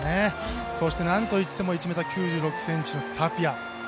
そして何といっても１ｍ９６ｃｍのタピア。